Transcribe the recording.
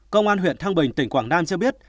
công an huyện thăng bình tỉnh quảng nam cho biết